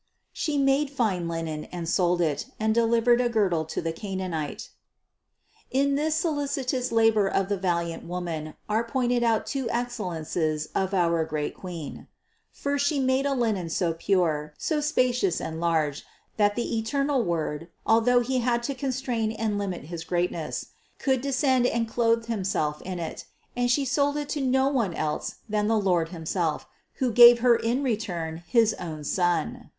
795. "She made fine linen, and sold it, and delivered a girdle to the Chananite." In this solicitous labor of the valiant Woman are pointed out two excellences of our great Queen. First She made a linen so pure, so spacious and large, that the eternal Word, although He had to constrain and limit his greatness, could descend and clothe Himself in it, and She sold it to no one else than the Lord himself, who gave Her in return his own Son.